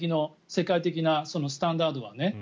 世界的なスタンダードは。